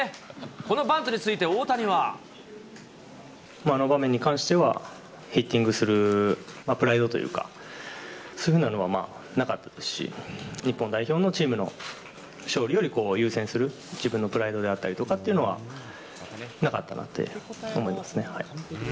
このバントについて、あの場面に関しては、ヒッティングするプライドというか、そういうふうなのはなかったですし、日本代表のチームの勝利より優先する自分のプライドであったりとかっていうのは、なかったなって思いますね。